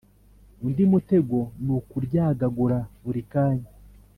Undi mutego nukuryagagura burikanya